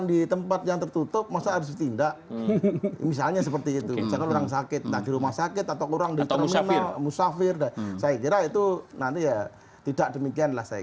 ini tidak masalah